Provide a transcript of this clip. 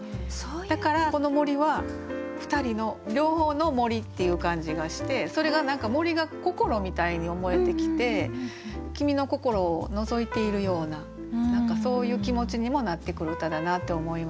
だからこの森は２人の両方の森っていう感じがしてそれが何か森が心みたいに思えてきて君の心をのぞいているような何かそういう気持ちにもなってくる歌だなって思いました。